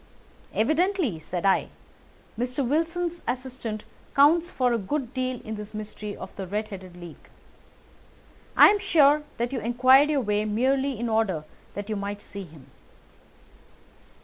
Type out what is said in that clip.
"Evidently," said I, "Mr. Wilson's assistant counts for a good deal in this mystery of the Red headed League. I am sure that you inquired your way merely in order that you might see him."